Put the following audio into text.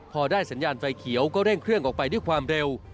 พอได้สัญญาณไฟเขียวก็เร่งเครื่องออกไปด้วยความเร็ว